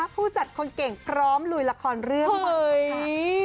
ผู้จัดคนเก่งพร้อมลุยละครเรื่องใหม่ค่ะ